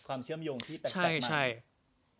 ความเชื่อมโยงที่แตกมาก